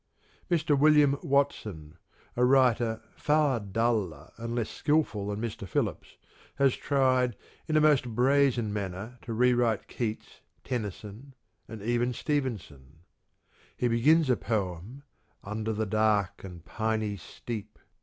Mr. William Watson, a writer far duller and less skilful than Mr. Phillips, has tried in a most brazen manner to re write Keats, Tennyson, and even Stevenson (he begins a poem :" Under the dark and piny steep